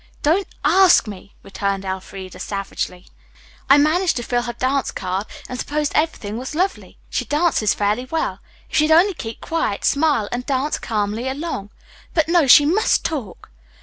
"Don't ask me!" returned Elfreda savagely. "I managed to fill her dance card and supposed everything was lovely. She dances fairly well. If she'd only keep quiet, smile and dance calmly along. But, no, she must talk!"